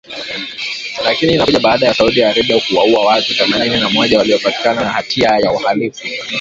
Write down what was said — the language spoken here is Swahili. Lakini inakuja baada ya Saudi Arabia kuwaua watu themanini na moja waliopatikana na hatia ya uhalifu